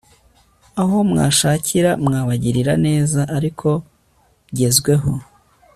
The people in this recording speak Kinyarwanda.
aho mwashakira mwabagirira neza ariko jyeweho